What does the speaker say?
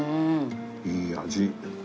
いい味。